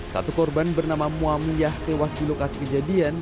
satu korban bernama muamiyah tewas di lokasi kejadian